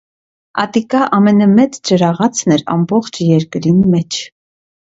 Ատիկա ամենէ մէծ ջրաղացն էր ամբողջ երկիրին մէջ։